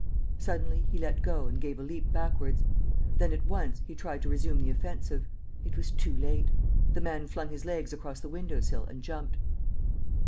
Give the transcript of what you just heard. ... Suddenly, he let go and gave a leap backwards. Then, at once, he tried to resume the offensive. It was too late. The man flung his legs across the window sill and jumped.